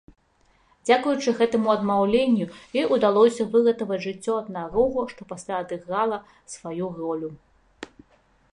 Дзякуючы гэтаму адмаўленню ёй удалося выратаваць жыццё аднарогу, што пасля адыграла сваю ролю.